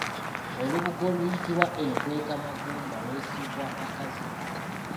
Olubugo oluyitibwa enkwekamagumba lwesibwa bakazi.